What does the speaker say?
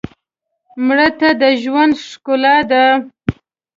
مړه ته د ژوند ښکلا ده